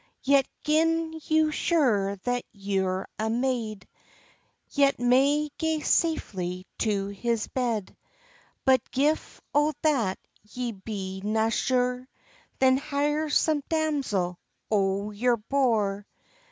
"Yet, gin you're sure that you're a maid, Ye may gae safely to his bed; But gif o' that ye be na sure, Then hire some damsel o' your bour."